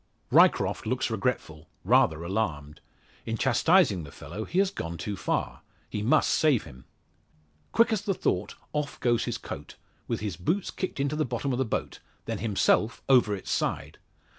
Ryecroft looks regretful rather alarmed. In chastising the fellow he had gone too far. He must save him! Quick as the thought off goes his coat, with his boots kicked into the bottom of the boat; then himself over its side!